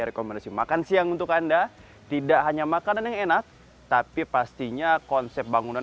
rekomendasi makan siang untuk anda tidak hanya makanan yang enak tapi pastinya konsep bangunan